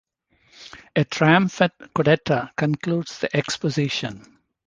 A triumphant codetta concludes the exposition.